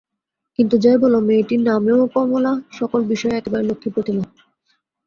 কিন্তু যাই বল, মেয়েটি নামেও কমলা, সকল বিষয়েই একেবারে লক্ষ্মীর প্রতিমা।